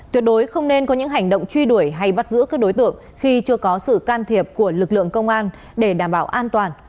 tuyệt đối không nên có những hành động truy đuổi hay bắt giữ các đối tượng khi chưa có sự can thiệp của lực lượng công an để đảm bảo an toàn